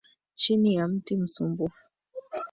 Chini ya mti msumbufu.